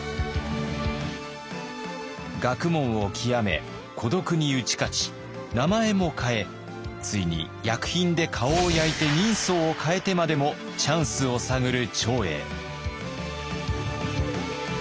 学問を究め孤独に打ち勝ち名前も変えついに薬品で顔を焼いて人相を変えてまでもチャンスを探る長英。